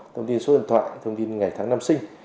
thông tin số điện thoại thông tin ngày tháng năm sinh